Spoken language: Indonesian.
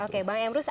oke bang emrus